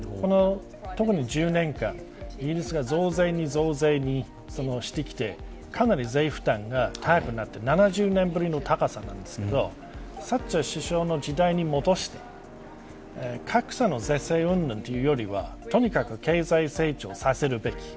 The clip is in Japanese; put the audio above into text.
特に、この１０年間イギリスが増税に増税にしてきてかなり税負担が高くなって７０年ぶりの高さなんですけれどサッチャー首相の時代に戻して格差の是正、うんぬんというよりはとにかく経済成長させるべき。